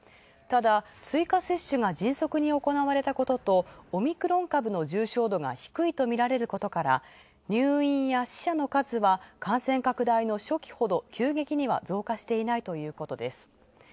ただ、追加接種が迅速に行われたこととオミクロン株の重症化率が低いとみられることから入院や死者の数は感染拡大の初期ほど急激には増加していないということです。